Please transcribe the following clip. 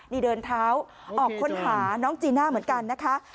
นี่เดินเท้าออกค้นหาน้องจีน่าเหมือนกันนะคะ